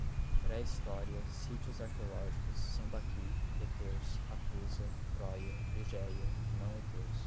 pré-história, sítios arqueológicos, sambaqui, heteus, Hatusa, Troia, egeia, não-heteus